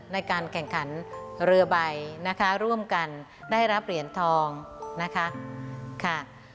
ในการแข่งขันเรือใบนะคะร่วมกันได้รับเหรียญทองนะคะค่ะ